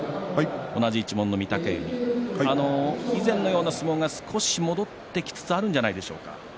同じ一門の御嶽海以前のような相撲が少し戻ってきつつあるんじゃないでしょうか。